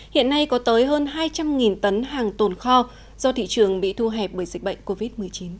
hiện nay có tới hơn hai trăm linh tấn hàng tồn kho do thị trường bị thu hẹp bởi dịch bệnh covid một mươi chín